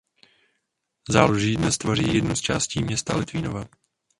Záluží dnes tvoří jednu z částí města Litvínova.